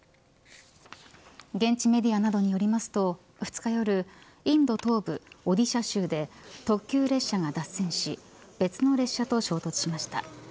現地メディアなどによりますと２日夜インド東部、オディシャ州で特急列車が脱線し別の列車と衝突しました。